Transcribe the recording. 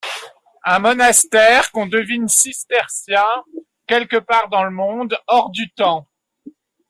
Un monastère, qu'on devine cistercien, quelque part dans le monde, hors du temps.